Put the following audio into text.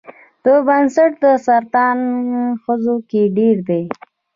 د بریسټ سرطان ښځو کې ډېر دی.